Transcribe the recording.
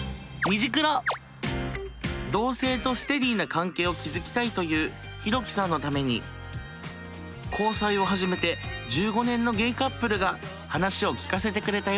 同性とステディーな関係を築きたいというヒロキさんのために交際を始めて１５年のゲイカップルが話を聞かせてくれたよ。